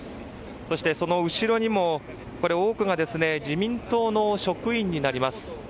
そして、その後ろにも多くが自民党の職員になります。